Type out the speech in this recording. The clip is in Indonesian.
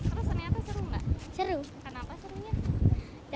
dapat teman baru ada teman teman yang lain juga